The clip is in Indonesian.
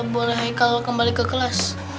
boleh kalau kembali ke kelas